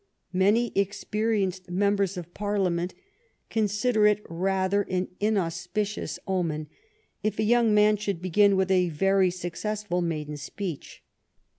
Many experienced members of Parliament consider it rather ^n inauspicious omen if a young man should begin with a very successful maiden speech.